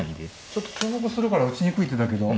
ちょっと重複するから打ちにくい手だけど。